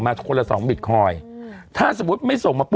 ไม่โดนเพราะว่า